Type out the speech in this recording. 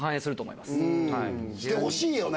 してほしいよね！